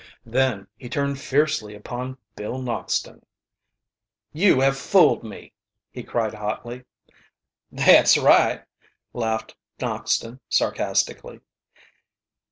Then he turned fiercely upon Bill Noxton. "You have fooled me!" he cried hotly. "That's right," laughed Noxton sarcastically.